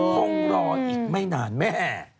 คงรออีกไม่นานแม่